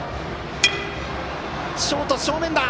ショート正面！